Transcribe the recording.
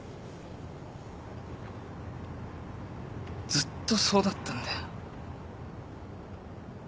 ずっとそうだったんだよ。